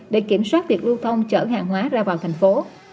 để kiểm soát việc lưu thông chở hàng hóa ra vào thành phố